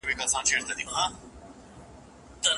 موږ پوهیږو چي پر تاسي څه تیریږي